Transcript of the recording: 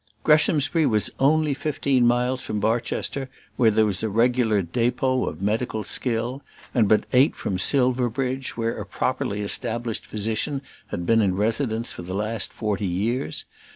Greshamsbury was only fifteen miles from Barchester, where there was a regular dépôt of medical skill, and but eight from Silverbridge, where a properly established physician had been in residence for the last forty years.